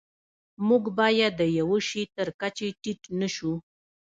موږ باید د یوه شي تر کچې ټیټ نشو.